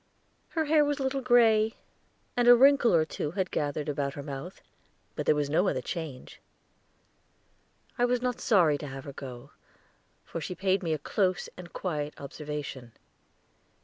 Her hair was a little gray, and a wrinkle or two had gathered about her mouth; but there was no other change. I was not sorry to have her go, for she paid me a close and quiet observation.